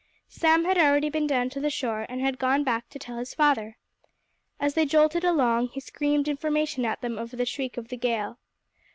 Sam had already been down to the shore and had gone back to tell his father. As they jolted along, he screamed information at them over the shriek of the gale.